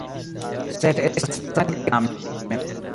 Sed estas strange, tamen.